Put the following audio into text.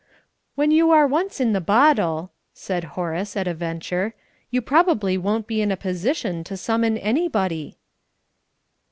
"When you are once in the bottle," said Horace, at a venture, "you probably won't be in a position to summon anybody."